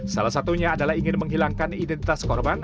salah satunya adalah ingin menghilangkan identitas korban